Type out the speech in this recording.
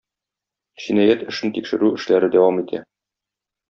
Җинаять эшен тикшерү эшләре дәвам итә.